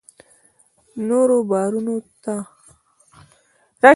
نورو باروتو ته که اوبه ورورسي بيا سم کار نه کوي.